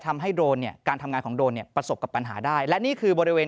โดรนเนี่ยการทำงานของโดรนเนี่ยประสบกับปัญหาได้และนี่คือบริเวณ